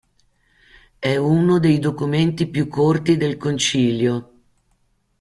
È uno dei documenti più corti del Concilio.